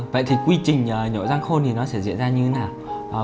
vậy thì quy trình nhổ răng khôn thì nó sẽ diễn ra như thế nào